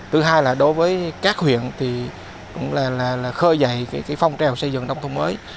thứ hai là đối với các huyện thì cũng là khơi dậy phong trào xây dựng nông thôn mới